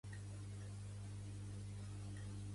Em dic Achraf Cubero: ce, u, be, e, erra, o.